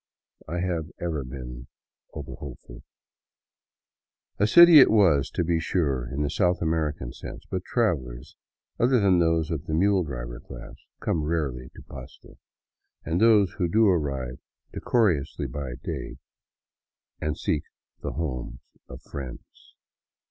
I have ever been over hopeful. A city it was, to be sure, in the South American sense, but travelers, other than those of the mule driver class, come rarely to Pasto, and those who do arrive decorously III VAGABONDING DOWN THE ANDES by day, and seek the homes of friends.